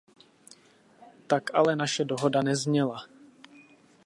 Tak ale naše dohoda nezněla.